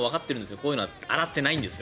こういうのは洗ってないんですよ。